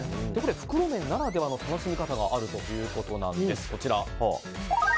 袋麺ならではの楽しみ方があるということなんです。